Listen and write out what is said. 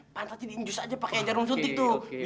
pantatnya diinjus aja pake jarum sutik tuh